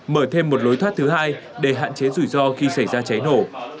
mở thêm một lối thoát thứ hai để hạn chế rủi ro khi xảy ra cháy nổ